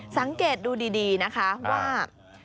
สังเกตดูดีนะคะว่า